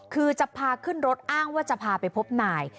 คือจะพาขึ้นรถอ้างว่าจะพาไปพบนาย